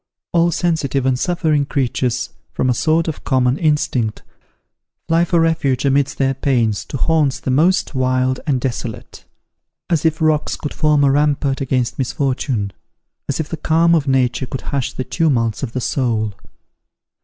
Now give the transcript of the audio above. All sensitive and suffering creatures, from a sort of common instinct, fly for refuge amidst their pains to haunts the most wild and desolate; as if rocks could form a rampart against misfortune as if the calm of Nature could hush the tumults of the soul.